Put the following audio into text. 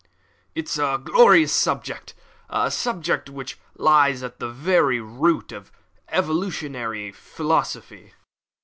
"It is a glorious subject a subject which lies at the very root of evolutionary philosophy."